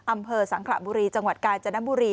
อำเภอสังขระบุรีจังหวัดกาญจนบุรี